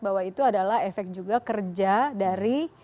bahwa itu adalah efek juga kerja dari